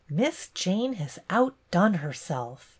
Miss Jane has outdone herself.